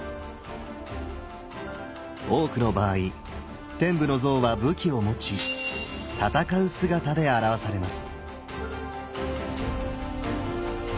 多くの場合天部の像は武器を持ち戦う姿で表されます。